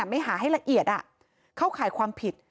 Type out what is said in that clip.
ไม่หาให้ละเอียดเข้าข่ายความผิด